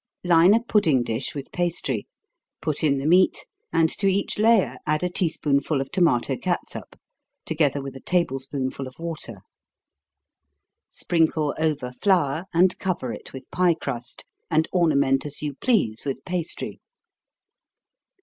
Line a pudding dish with pastry, put in the meat, and to each layer add a tea spoonful of tomato catsup, together with a table spoonful of water sprinkle over flour, and cover it with pie crust, and ornament as you please with pastry.